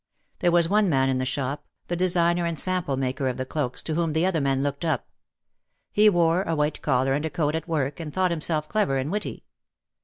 There was one man in the shop, the designer and sample maker of the cloaks, to whom the other men looked up. He wore a white collar and a coat at work and thought him self clever and witty.